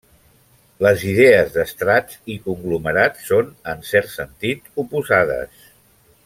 Les idees d'estrats i conglomerats són, en cert sentit, oposades.